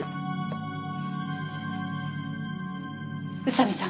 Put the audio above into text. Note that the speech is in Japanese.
宇佐見さん